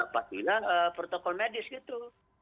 pastinya protokol medis gitu